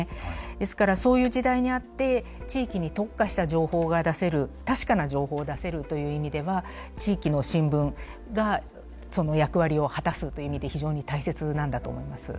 ですからそういう時代にあって地域に特化した情報が出せる確かな情報を出せるという意味では地域の新聞がその役割を果たすという意味で非常に大切なんだと思います。